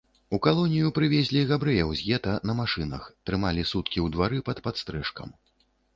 У калонію прывезлі габрэяў з гета на машынах, трымалі суткі ў двары пад падстрэшкам.